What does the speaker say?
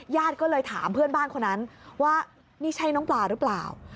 ญาติก็เลยถามเพื่อนบ้านคนนั้นว่านี่ใช่น้องปลาหรือเปล่า